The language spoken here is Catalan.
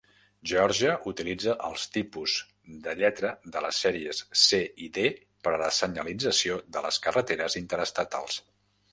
Geòrgia utilitza els tipus de lletra de les sèries C i D per a la senyalització de les carreteres interestatals.